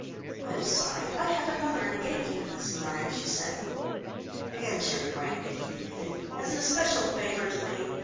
"I'm sorry I have another engagement this morning," she said. "Can't you break it?" he pleaded, "as an especial favour to me?